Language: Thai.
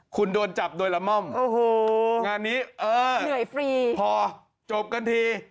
คุณโดนจับโดยละม่อมงานนี้เออพอจบกันที